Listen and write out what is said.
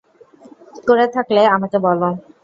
করে থাকলে আমাকে বলো।